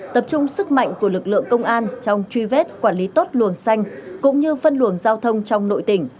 tập trung sức mạnh của lực lượng công an trong truy vết quản lý tốt luồng xanh cũng như phân luồng giao thông trong nội tỉnh